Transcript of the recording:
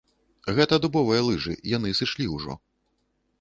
Гэта дубовыя лыжы, яны сышлі ўжо.